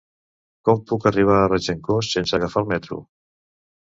Com puc arribar a Regencós sense agafar el metro?